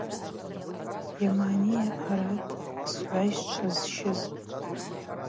Ймагӏныйа арат сгӏвайщчвагьи зщыз?